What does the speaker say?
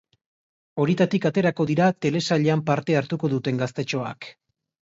Horietatik aterako dira telesailean parte hartuko duten gaztetxoak.